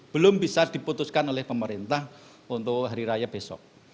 belum bisa diputuskan oleh pemerintah untuk hari raya besok